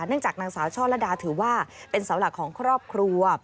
จากนางสาวช่อละดาถือว่าเป็นเสาหลักของครอบครัว